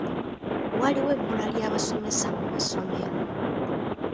Waliwo ebbula ly'abasomesa mu masomero.